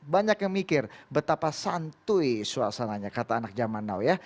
banyak yang mikir betapa santui suasananya kata anak zaman now ya